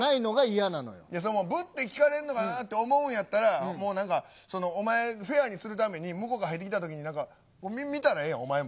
ぶって聞かれんのがなって思うんやったら、もうなんか、お前、フェアにするために、向こうが入ってきたときに、見たらええやん、お前も。